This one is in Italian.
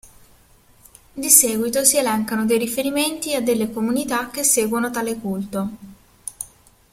Di seguito si elencano dei riferimenti a delle comunità che seguono tale culto.